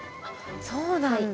そうなんだ。